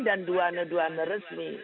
dan dua duanya resmi